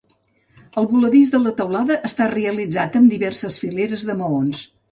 El voladís de la teulada està realitzat amb diverses fileres de maons.